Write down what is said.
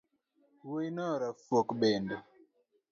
Wuoino rafuok bende